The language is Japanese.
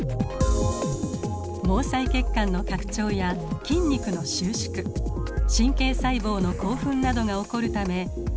毛細血管の拡張や筋肉の収縮神経細胞の興奮などが起こるためじん